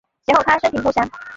其后他生平不详。